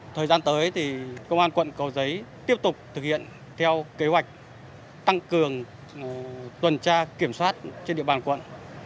thời gian tới thì công an quận cầu giấy tiếp tục thực hiện theo kế hoạch tăng cường tuần tra kiểm soát trên địa bàn quận